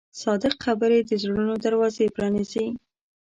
صادق خبرې د زړونو دروازې پرانیزي.